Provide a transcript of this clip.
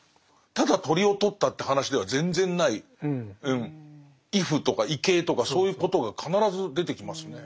ただ鳥を捕ったって話では全然ない畏怖とか畏敬とかそういうことが必ず出てきますね。